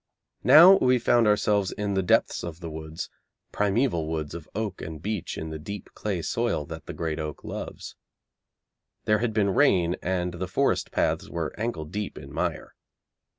Now we found ourselves in the depths of the woods, primeval woods of oak and beech in the deep clay soil that the great oak loves. There had been rain and the forest paths were ankle deep in mire.